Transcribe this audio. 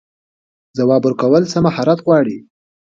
ځواب ورکول څه مهارت غواړي؟